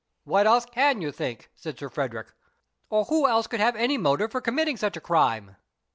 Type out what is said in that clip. "What else CAN you think?" said Sir Frederick; "or who else could have any motive for committing such a crime?"